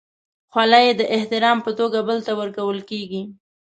خولۍ د احترام په توګه بل ته ورکول کېږي.